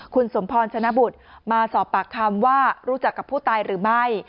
คุณสมพรชนะบุตรมาสอบปากคำว่ารู้จักกับผู้ตายหรือไม่